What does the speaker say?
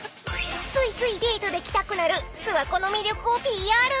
［ついついデートで来たくなる諏訪湖の魅力を］